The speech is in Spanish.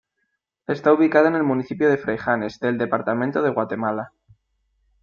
Está ubicado en el municipio de Fraijanes del departamento de Guatemala.